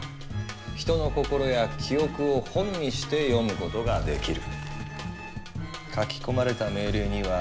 人の心や記憶を「本」にして読むことができる。